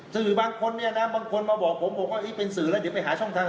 สื่อบางคนเนี่ยนะบางคนมาบอกผมบอกว่าเป็นสื่อแล้วเดี๋ยวไปหาช่องทาง